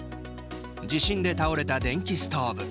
地震で倒れた電気ストーブ。